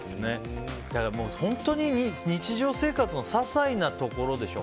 本当に日常生活の些細なところでしょ。